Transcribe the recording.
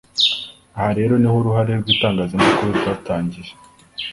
Aha rero niho uruhare rw'itangazamakuru rwatangiye